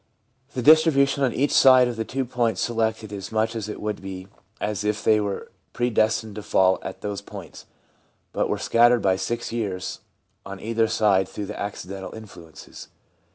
The distribution on each side THE AGE OF CONVERSION 45 of the two points selected is much as it would be if they were predestined to fall at those points, but were scattered by six years on either side through acci dental influences.